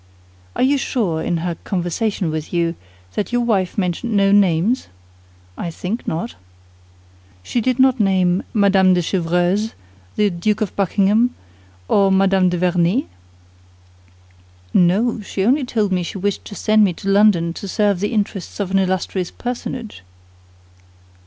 "Are you sure, in her conversation with you, that your wife mentioned no names?" "I think not." "She did not name Madame de Chevreuse, the Duke of Buckingham, or Madame de Vernet?" "No; she only told me she wished to send me to London to serve the interests of an illustrious personage."